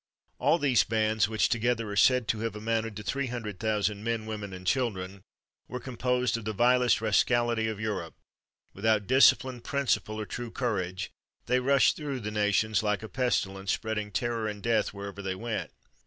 All these bands, which together are said to have amounted to three hundred thousand men, women, and children, were composed of the vilest rascality of Europe. Without discipline, principle, or true courage, they rushed through the nations like a pestilence, spreading terror and death wherever they went.